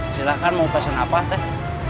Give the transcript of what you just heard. silahkan mau pesen apa teh